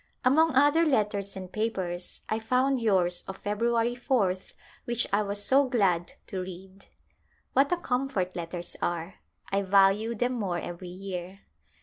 Among other letters and papers I found yours of f'ebruary 4th which I was so glad to read. What a comfort letters are ! I value them more every year.